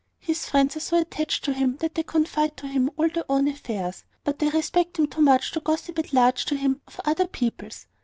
His friends are so attached to him that they confide to him all their own affairs; but they respect him too much to gossip at large to him of other people's.